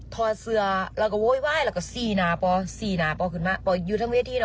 ทอเสือแล้วก็โว้ยว้ายแล้วก็สี่นาปอสี่นาปอขึ้นมาปออยู่ทั้งเวทีน่ะ